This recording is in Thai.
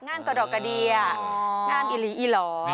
งามกระดอกกดีงามอิหลีอิหรอ